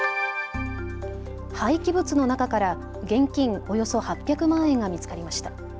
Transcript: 廃棄物の中から現金およそ８００万円が見つかりました。